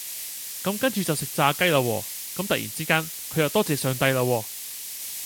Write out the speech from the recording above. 咁跟住就食炸雞啦喎，咁突然之間佢又多謝上帝啦喎